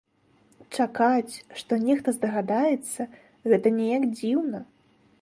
Чакаць, што нехта здагадаецца, гэта неяк дзіўна.